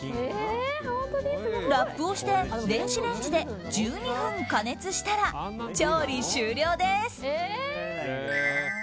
ラップをして電子レンジで１２分加熱したら調理終了です。